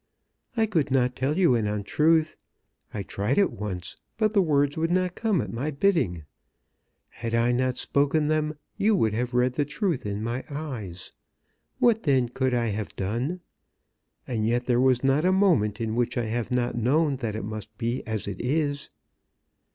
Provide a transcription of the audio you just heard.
"I could not tell you an untruth. I tried it once, but the words would not come at my bidding. Had I not spoken them, you would read the truth in my eyes. What then could I have done? And yet there was not a moment in which I have not known that it must be as it is."